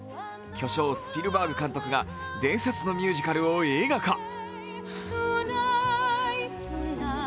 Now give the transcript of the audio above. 巨匠・スピルバーグ監督が伝説のミュージカルを映画化。